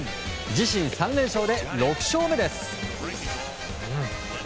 自身３連勝で６勝目です。